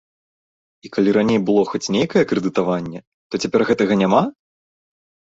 І калі раней было хоць нейкае крэдытаванне, то цяпер гэтага няма?